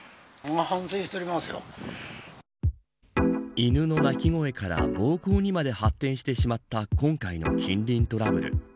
犬の鳴き声から暴行にまで発展してしまった今回の近隣トラブル。